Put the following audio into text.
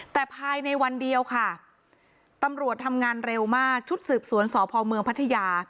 แต่ภายในวันเดียวค่ะตำรวจทำงานเร็วมากชุดสืบสวนสพเมืองพัทยา